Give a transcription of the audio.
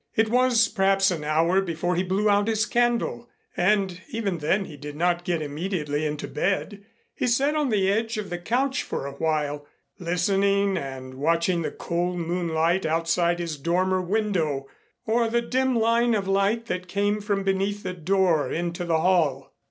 It was perhaps an hour before he blew out his candle, and even then he did not get immediately into bed. He sat on the edge of the couch for a while, listening and watching the cold moonlight outside his dormer window, or the dim line of light that came from beneath the door into the hall.